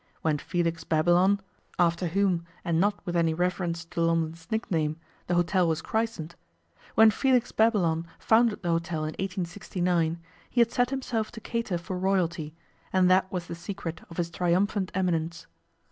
When Felix Babylon after whom, and not with any reference to London's nickname, the hotel was christened when Felix Babylon founded the hotel in 1869 he had set himself to cater for Royalty, and that was the secret of his triumphant eminence.